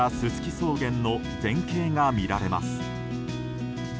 草原の全景が見られます。